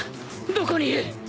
どこにいる！？